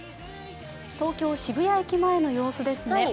東京・渋谷駅前の様子ですね。